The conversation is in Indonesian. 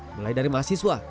mulai dari mahasiswa